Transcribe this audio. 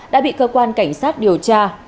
đã bị cơ quan cảnh sát điều tra